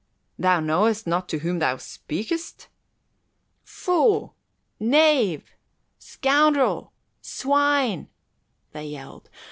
Thou know'st not to whom thou speakest." "Fool! Knave! Scoundrel! Swine!" they yelled.